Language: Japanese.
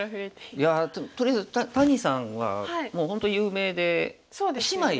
いやとりあえず谷さんはもう本当有名で姉妹でね強くて。